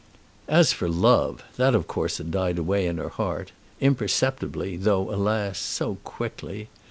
As for love, that of course had died away in her heart, imperceptibly, though, alas, so quickly!